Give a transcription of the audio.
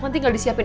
nanti gak disiapin